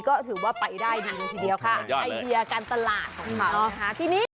ก็ถือว่าไปได้ดีเลยทีเดียวค่ะไอเดียการตลาดของเขานะคะทีนี้